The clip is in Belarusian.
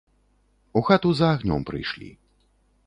У хату за агнём прыйшлі.